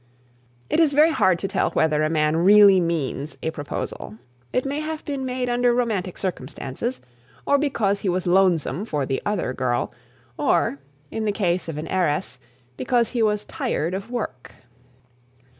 It is very hard to tell whether a man really means a proposal. It may have been made under romantic circumstances, or because he was lonesome for the other girl, or, in the case of an heiress, because he was tired of work.